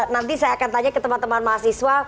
nanti saya akan tanya ke teman teman mahasiswa